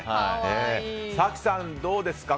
早紀さん、どうですか？